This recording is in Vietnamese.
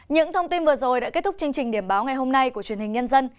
những thông tin vừa rồi đã kết thúc chương trình điểm báo ngày hôm nay của truyền hình nhân dân